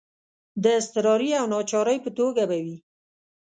د اضطراري او ناچارۍ په توګه به وي.